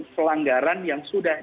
pelanggaran yang sudah